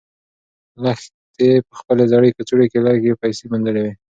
لښتې په خپلې زړې کڅوړې کې لږې پیسې موندلې وې.